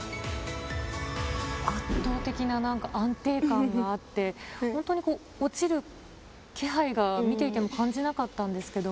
圧倒的な安定感があって、本当に落ちる気配が、見ていても感じなかったんですけど。